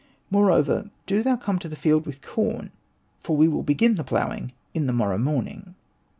More over, do thou come to the field with corn, for we will begin the ploughing in the mor row morning.''